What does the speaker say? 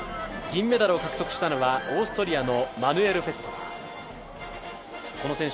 銀メダルを獲得したのはオーストリアのマヌエル・フェットナー。